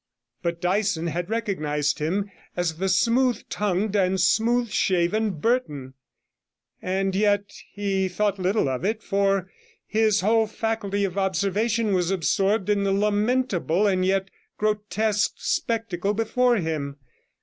But Dyson had recognized him as the smooth tongued and smoothshaven Burton; and yet he thought little of it, for his whole faculty of observation was absorbed in the lamentable and yet grotesque spectacle before him.